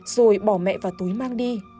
rồi bỏ mẹ vào túi mang đi